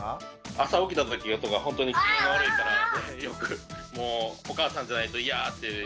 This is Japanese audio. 朝起きたときとかほんとに機嫌が悪いからよくもうお母さんじゃないとイヤーって。